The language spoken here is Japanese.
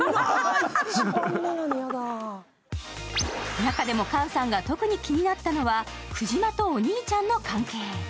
中でも菅さんが特に気になったのがクジマとお兄ちゃんの関係。